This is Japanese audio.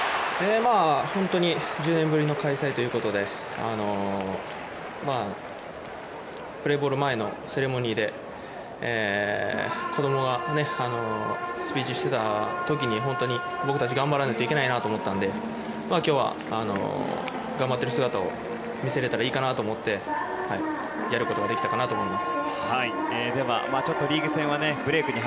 本当に１０年ぶりの開催ということでプレーボール前のセレモニーで子どもがスピーチしてた時に本当に僕たち頑張らないといけないなと思ったので今日は頑張っている姿を見せなきゃいけないなと思ったのでやることができたかなと思います。